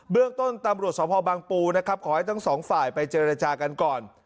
เรื่องต้นตำรวจสภบางปูนะครับขอให้ทั้งสองฝ่ายไปเจรจากันก่อน